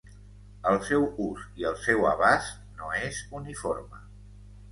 El seu ús i el seu abast no és uniforme.